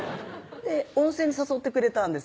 温泉に誘ってくれたんですよ